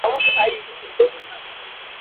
এখন প্রয়োজন নিজেকে শান্ত রাখা।